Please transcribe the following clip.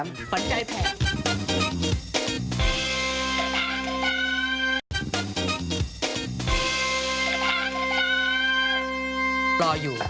รออยู่